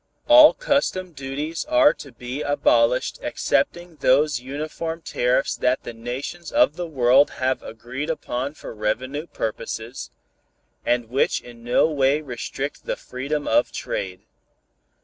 "All custom duties are to be abolished excepting those uniform tariffs that the nations of the world have agreed upon for revenue purposes, and which in no way restrict the freedom of trade.